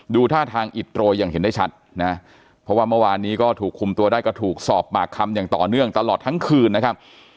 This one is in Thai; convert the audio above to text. ท่าทางอิดโรยอย่างเห็นได้ชัดนะเพราะว่าเมื่อวานนี้ก็ถูกคุมตัวได้ก็ถูกสอบปากคำอย่างต่อเนื่องตลอดทั้งคืนนะครับ